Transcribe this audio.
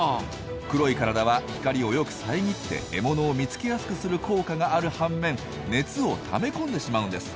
黒い体は光をよくさえぎって獲物を見つけやすくする効果がある半面熱をためこんでしまうんです。